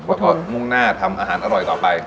แล้วก็มุ่งหน้าทำอาหารอร่อยต่อไป